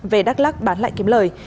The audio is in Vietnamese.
về đắk lóc bán lại kiếm lời